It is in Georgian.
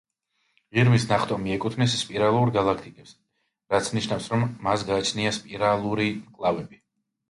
ირმის ნახტომი ეკუთვნის სპირალურ გალაქტიკებს, რაც ნიშნავს რომ მას გააჩნია სპირალური მკლავები.